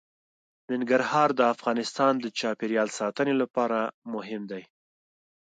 ننګرهار د افغانستان د چاپیریال ساتنې لپاره مهم دي.